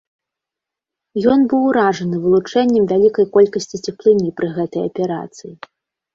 Ён быў уражаны вылучэннем вялікай колькасці цеплыні пры гэтай аперацыі.